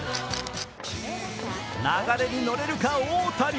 流れにのれるか、大谷？